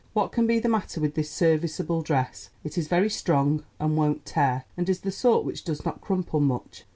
What can be the matter with this serviceable dress? It is very strong and won't tear, and is the sort which does not crumple much."